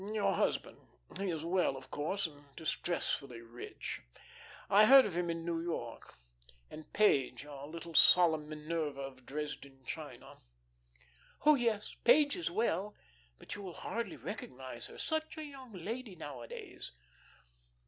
"Your husband, he is well, of course, and distressfully rich. I heard of him in New York. And Page, our little, solemn Minerva of Dresden china?" "Oh, yes, Page is well, but you will hardly recognise her; such a young lady nowadays."